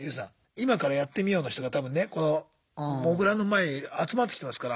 今からやってみようの人が多分ねこのモグラの前に集まってきてますから。